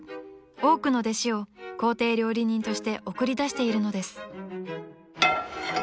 多くの弟子を公邸料理人として送り出しているのです］